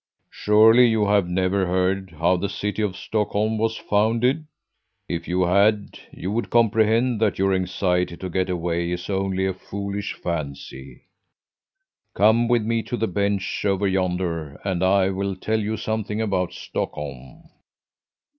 "Surely you have never heard how the city of Stockholm was founded? If you had, you would comprehend that your anxiety to get away is only a foolish fancy. Come with me to the bench over yonder and I will tell you something about Stockholm."